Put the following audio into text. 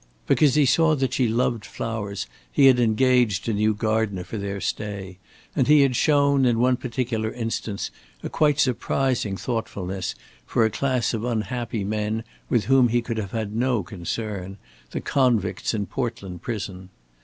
Because he saw that she loved flowers, he had engaged a new gardener for their stay; and he had shown, in one particular instance, a quite surprising thoughtfulness for a class of unhappy men with whom he could have had no concern, the convicts in Portland prison.